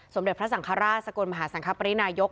สมเด็จพระสังฆราชสกลมหาสังคปรินายก